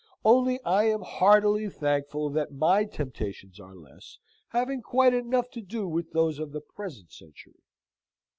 Only, I am heartily thankful that my temptations are less, having quite enough to do with those of the present century.